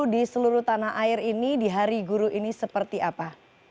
di seluruh tanah air ini di hari guru ini seperti apa